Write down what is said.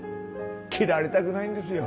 嫌われたくないんですよ。